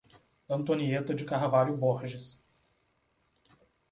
Antonieta de Carvalho Borges